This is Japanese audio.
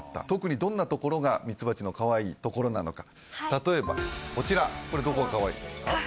特にどんなところがミツバチのかわいいところなのか例えばこちらこれどこがかわいいですか？